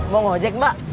mau ngajek mbak